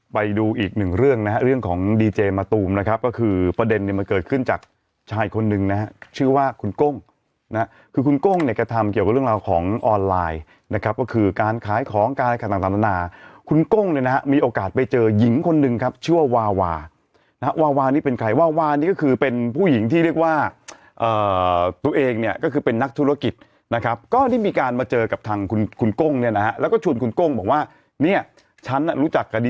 ไปดูอีกหนึ่งเรื่องนะเรื่องของดีเจมาตูมนะครับก็คือประเด็นนี่มันเกิดขึ้นจากชายคนหนึ่งนะชื่อว่าคุณก้งนะคือคุณก้งเนี่ยกระทำเกี่ยวกับเรื่องราวของออนไลน์นะครับก็คือการขายของการขายต่างนานาคุณก้งเนี่ยนะครับมีโอกาสไปเจอยิงคนหนึ่งครับชื่อวาวานะครับวาวานี่เป็นใครวาวานี่ก็คือเป็นผู้หญิงที่เรียกว่